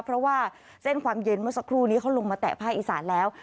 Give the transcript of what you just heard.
เพราะว่าเส้นความเย็นเมื่อสักครู่นี้เขาลงมาแตะภาคอีสานแล้ว